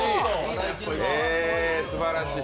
すばらしい。